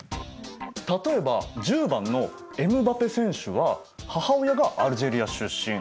例えば１０番のエムバペ選手は母親がアルジェリア出身。